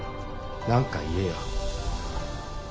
何か言えよ。